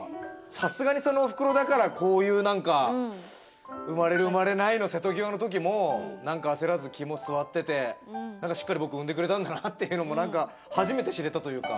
さすがにそのおふくろだからこういうなんか生まれる生まれないの瀬戸際の時もなんか焦らず肝据わっててしっかり僕を産んでくれたんだなっていうのも初めて知れたというか。